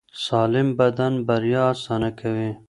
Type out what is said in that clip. سالم بدن بریا اسانه کوي.